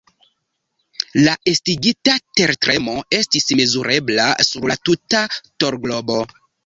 La estigita tertremo estis mezurebla sur la tuta terglobo.